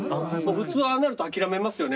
普通ああなると諦めますよね